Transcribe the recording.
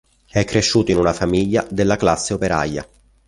È cresciuto in una famiglia della classe operaia.